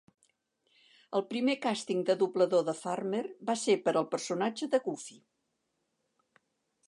El primer càsting de doblador de Farmer va ser per al personatge de Goofy.